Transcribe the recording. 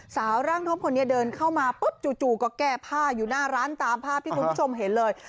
สาวร่างทบคนนี้เดินเข้ามาปุ๊บจู่ก็แก้ผ้าอยู่หน้าร้านตามภาพที่คุณผู้ชมเห็นเลย